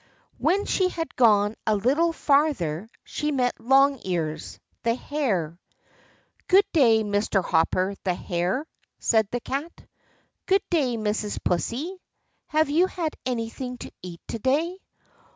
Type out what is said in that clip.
When she had gone a little farther she met Long Ears, the hare. "Good day, Mr. Hopper the hare," said the Cat. "Good day, Mrs. Pussy; have you had anything to eat today?"